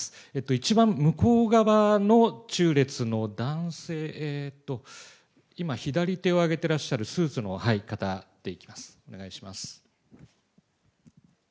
一番向こう側の中列の男性、今、左手を挙げてらっしゃるスーツの方でいきます。